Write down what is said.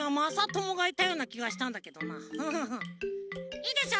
いいでしょ？